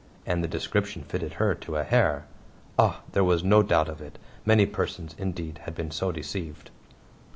And the description fitted her to a hair! Ah, there was no doubt of it; many persons, indeed, had been so deceived.